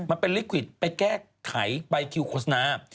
มันเป็นลิขวิตไปแก้ไขใบคิวโฆษณา